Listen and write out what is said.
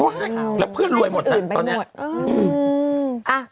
แล้วเพื่อนรวยหมดน่ะตอนนี้